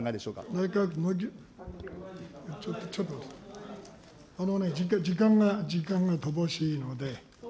内閣、ちょっとちょっと、あのね、時間が、時間が乏しいので。